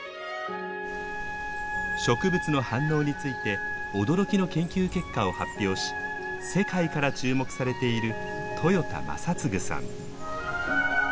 植物の反応について驚きの研究結果を発表し世界から注目されている